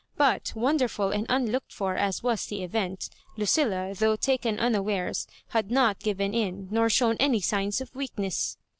But, wonderful and unlocked for as was the event, Lucilla, though taken unawares, had not given in, nor shown any signs of weak oesa.